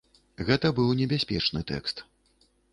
Гэта быў небяспечны тэкст.